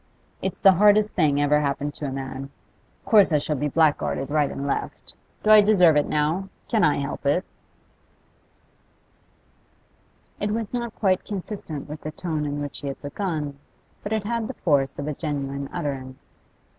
It's the hardest thing ever happened to a man. Of course I shall be blackguarded right and left. Do I deserve it now? Can I help it?' It was not quite consistent with the tone in which he had begun, but it had the force of a genuine utterance.